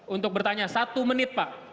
untuk bertanya satu menit pak